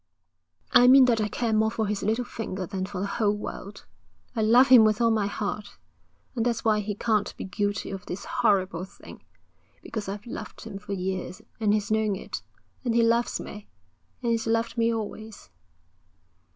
'I mean that I care more for his little finger than for the whole world. I love him with all my heart. And that's why he can't be guilty of this horrible thing, because I've loved him for years, and he's known it. And he loves me, and he's loved me always.'